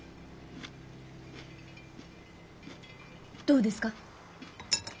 どうですか？